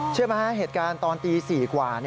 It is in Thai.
เชื่อไหมฮะเหตุการณ์ตอนตี๔กว่า